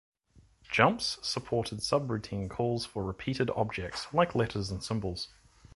Jumps supported subroutine calls for repeated objects like letters and symbols.